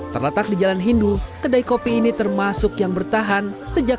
terletak di jalan hindu kedai kopi ini termasuk yang bertahan sejak seribu sembilan ratus dua puluh tiga